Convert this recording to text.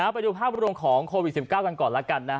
ไปดูภาพรวมของโควิด๑๙กันก่อนแล้วกันนะ